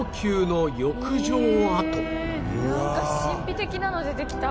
なんか神秘的なの出てきた！